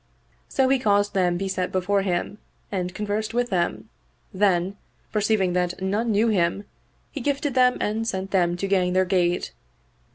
So he caused them be set before him and conversed with them; then, perceiving that none knew him he gifted them and sent them to gang their gait.